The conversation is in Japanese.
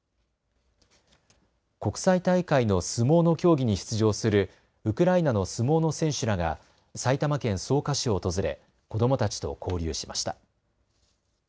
国際大会の相撲の競技に出場するウクライナの相撲の選手らが埼玉県草加市を訪れ子どもたちと交流しました。